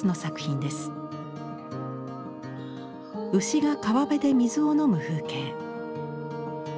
牛が川辺で水を飲む風景。